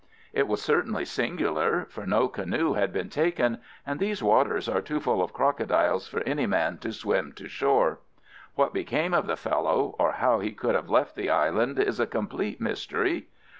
It was certainly singular, for no canoe had been taken, and these waters are too full of crocodiles for any man to swim to shore. What became of the fellow, or how he could have left the island is a complete mystery.